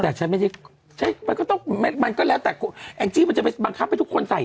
ถ้าฟันหมื่นหนึ่งอะไรอยู่แล้ว